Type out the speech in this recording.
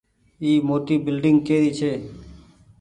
اي موٽي بلڌنگ ڪيري ڇي۔